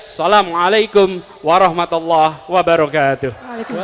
assalamualaikum warahmatullahi wabarakatuh